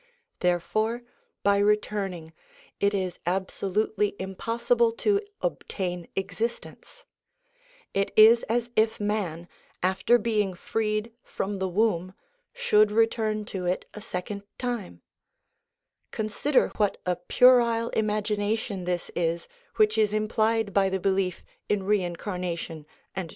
Therefore, by returning, it is absolutely impossible to obtain existence; it is as if man, after being freed from the womb, should return to it a second time. Consider what a puerile imagination this is which is implied by the belief in reincarnation and trans 1 Lit. bringing forth. 2 Lit. producing something new.